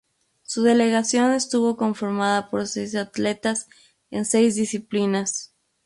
Su delegación estuvo conformada por seis atletas en seis disciplinas.